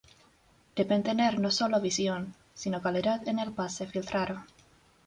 Deben tener no sólo visión, sino calidad en el pase filtrado.